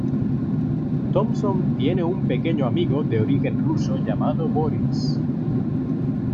Thompson tiene un pequeño amigo de origen Ruso llamado Boris.